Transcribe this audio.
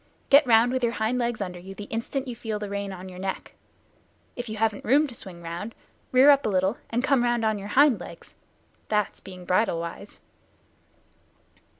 Get round with your hind legs under you the instant you feel the rein on your neck. If you haven't room to swing round, rear up a little and come round on your hind legs. That's being bridle wise."